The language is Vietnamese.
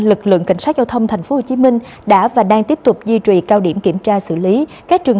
lực lượng cảnh sát giao thông tp hcm đã và đang tiếp tục duy trì cao điểm kiểm tra xử lý các trường